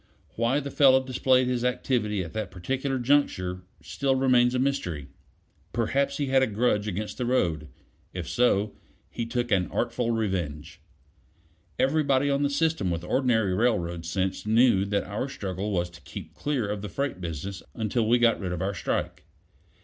Why the fellow displayed his activity at that particular juncture still remains a mystery. Perhaps he had a grudge against the road; if so, he took an artful revenge. Everybody on the system with ordinary railroad sense knew that our struggle was to keep clear of freight business until we got rid of our strike.